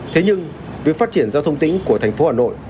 thế nhưng việc phát triển giao thông tỉnh của thành phố hà nội